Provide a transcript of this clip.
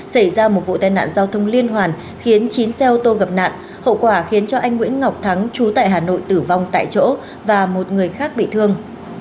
xảy ra một vụ tai nạn giao thông liên hoàn khiến chín xe ô tô gặp nạn hậu quả khiến anh nguyễn ngọc thắng chú tại hà nội tử vong tại chỗ và một người khác bị thương